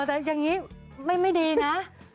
อันนี้ไม่ดีนะ